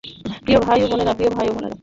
প্রিয় ভাই ও বোনেরা, প্রিয় ভাই ও বোনেরা।